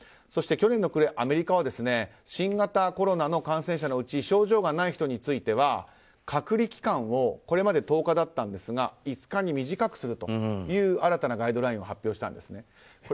そして去年の暮れ、アメリカは新型コロナの感染者のうち症状がない人については隔離期間をこれまで１０日だったんですが５日に短くすると新たなガイドラインを発表したんですね。